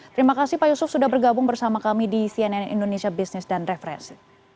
terima kasih pak yusuf sudah bergabung bersama kami di cnn indonesia business dan referensi